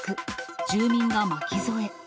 住民が巻き添え。